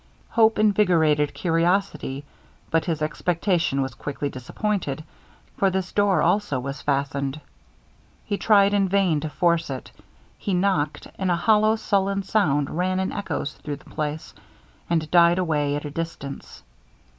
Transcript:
Hope invigorated curiosity, but his expectation was quickly disappointed, for this door also was fastened. He tried in vain to force it. He knocked, and a hollow sullen sound ran in echoes through the place, and died away at a distance.